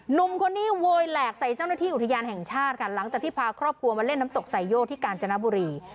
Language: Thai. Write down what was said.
หนุ่มคนนี้โวยแหลกใส่เจ้าหน้าที่อุทยานแห่งชาติค่ะหลังจากที่พาครอบครัวมาเล่นน้ำตกไซโยกที่กาญจนบุรี